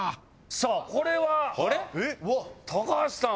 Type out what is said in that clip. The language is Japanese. さあこれは橋さん